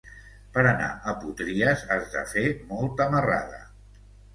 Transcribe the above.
Per anar a Potries has de fer molta marrada.